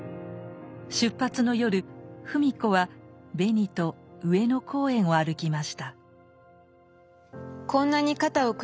出発の夜芙美子はベニと上野公園を歩きました。